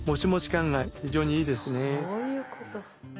そういうこと。